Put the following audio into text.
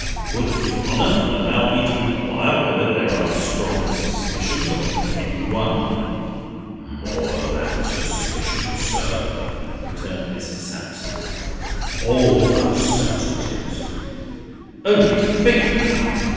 "Would His Honour allow me to inquire whether there are strong suspicions of any one?" "More than suspicions, sir," returned Mr. Sapsea; "all but certainties." "Only think now!"